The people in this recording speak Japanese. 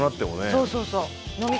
そうそうそう。